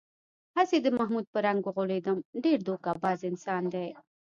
هسې د محمود په رنگ و غولېدم، ډېر دوکه باز انسان دی.